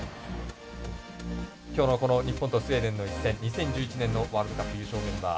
今日のこの日本のスウェーデンの一戦２０１１年のワールドカップの優勝メンバー